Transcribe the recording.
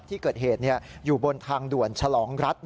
ที่เกิดเหตุอยู่บนทางด่วนฉลองรัฐ